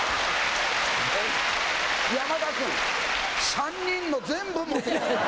山田君３人の全部持ってって。